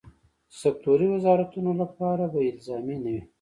سکټوري وزارتونو لپاره به الزامي نه وي.